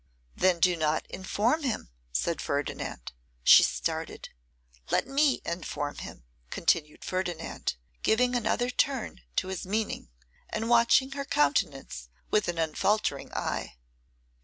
'Then do not inform him,' said Ferdinand. She started. 'Let me inform him,' continued Ferdinand, giving another turn to his meaning, and watching her countenance with an unfaltering eye.